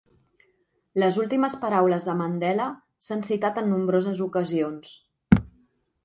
Les últimes paraules de Mandela s'han citat en nombroses ocasions.